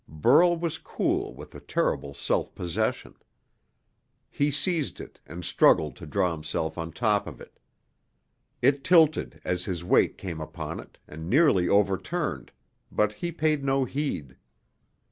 Burl was cool with a terrible self possession. He seized it and struggled to draw himself on top of it. It tilted as his weight came upon it, and nearly overturned, but he paid no heed.